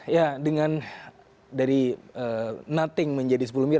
ya dengan dari nothing menjadi sepuluh miliar